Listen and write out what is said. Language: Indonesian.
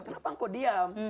kenapa engkau diam